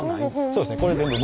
そうですね